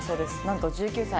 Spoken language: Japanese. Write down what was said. なんと１９歳。